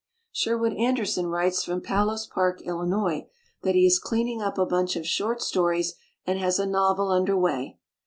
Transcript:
Sherwood Anderson writes from Palos Park, Illinois, that he is "clean ing up a bunch of short stories" and has a novel under way.